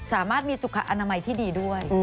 สามารถมีสุขอนามัยที่ดีด้วย